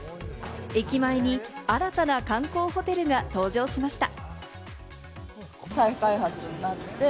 駅前に新たな観光ホテルが登場しました。